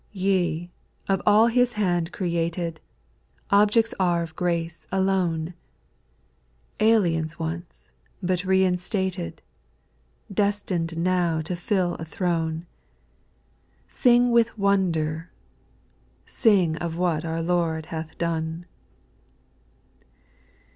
3. Ye, of all His hand created, Objects are of grace alone, Aliens once, but reinstated. Destined now to fill a throne : Sing with wonder, — Sing of what our Lord hath done.